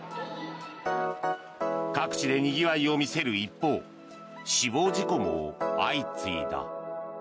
各地でにぎわいを見せる一方死亡事故も相次いだ。